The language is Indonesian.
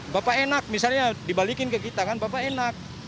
bapak enak misalnya dibalikin ke kita kan bapak enak